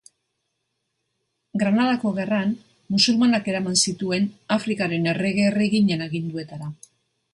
Granadako Gerran musulmanak eraman zituen Afrikaren errege-erreginen aginduetara.